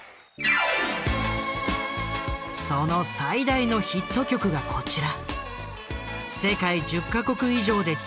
その最大のヒット曲がこちら。